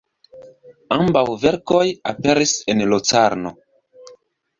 Ambaŭ verkoj aperis en Locarno.